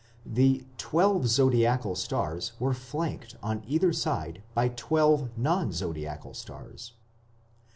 The "twelve zodiacal stars were flanked on either side by twelve non zodiacal stars".